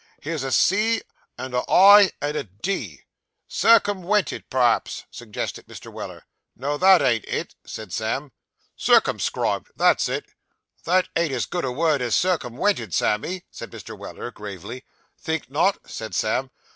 Here's a "c," and a "i," and a "d."' 'Circumwented, p'raps,' suggested Mr. Weller. 'No, it ain't that,' said Sam, '"circumscribed"; that's it.' 'That ain't as good a word as "circumwented," Sammy,' said Mr. Weller gravely. 'Think not?' said Sam.